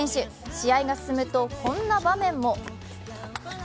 試合が進むとこんな場面も。